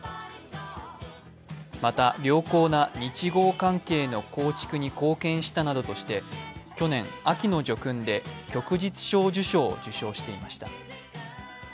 また良好な日豪関係の構築に貢献したとして去年、秋の叙勲で旭日小綬章を受章していました。